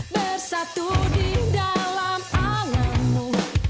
bersatu di dalam alammu